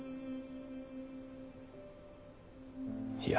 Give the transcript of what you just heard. いや。